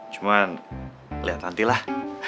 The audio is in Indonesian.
cuman lihat nanti lah